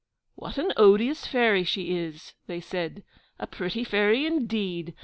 'What an odious Fairy she is (they said) a pretty Fairy, indeed!